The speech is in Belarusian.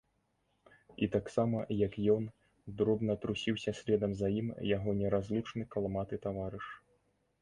І таксама, як ён, дробна трусіўся следам за ім яго неразлучны калматы таварыш.